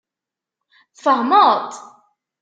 Tfehmeḍ-t?